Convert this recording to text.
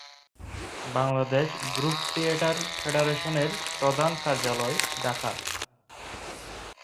Bangladesh group theatre ফেডারেশনের প্রধান কার্যালয় ঢাকা।